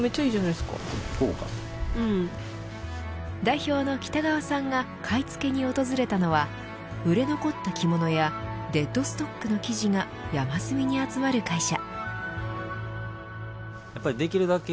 代表の北川さんが買い付けに訪れたのは売れ残った着物やデッドストックの生地が山積みに集まる会社。